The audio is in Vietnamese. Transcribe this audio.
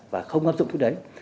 và không áp dụng thuốc đấy